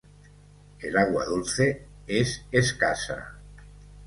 El agua dulce es escasa.